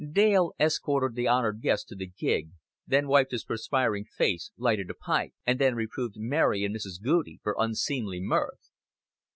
Dale escorted the honored guest to the gig, then wiped his perspiring face, lighted a pipe; and then reproved Mary and Mrs. Goudie for unseemly mirth.